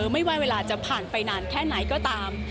ไม่ว่าเวลาจะผ่านไปนานแค่ไหนก็ตาม